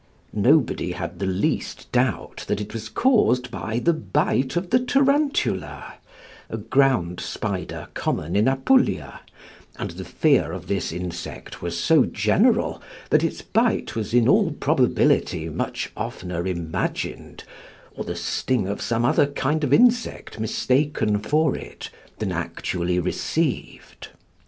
Nobody had the least doubt that it was caused by the bite of the tarantula, a ground spider common in Apulia: and the fear of this insect was so general that its bite was in all probability much oftener imagined, or the sting of some other kind of insect mistaken for it, than actually received.